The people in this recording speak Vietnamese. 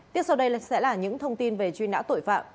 tiếp sau đây sẽ là những thông tin về truy nã tội phạm